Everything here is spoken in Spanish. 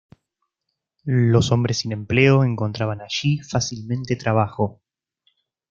Los hombres sin empleo encontraban allí fácilmente trabajo.